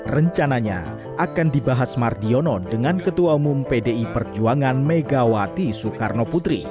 rencananya akan dibahas mardiono dengan ketua umum pdi perjuangan megawati soekarno putri